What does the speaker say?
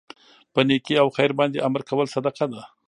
په نيکي او خیر باندي امر کول صدقه ده